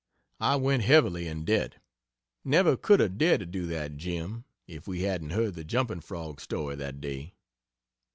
I went heavily in debt never could have dared to do that, Jim, if we hadn't heard the jumping Frog story that day.